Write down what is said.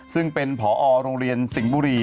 ซึ่งเป็นผอโรงเรียนสิงห์บุรี